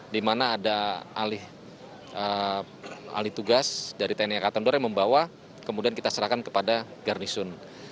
di mana ada alih tugas dari tni angkatan udara yang membawa kemudian kita serahkan kepada garnisun